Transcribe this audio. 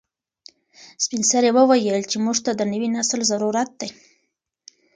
سپین سرې وویل چې موږ ته د نوي نسل ضرورت دی.